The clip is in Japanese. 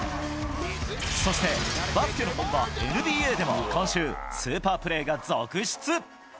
そして、バスケの本場、ＮＢＡでも今週、スーパープレーが続出。